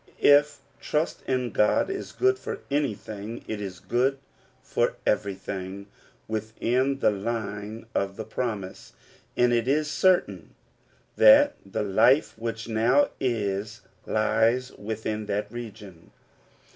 If trust in God is good for anything, it is good for everything within the line of the promise, and it is certain that the life which now is lies within that region.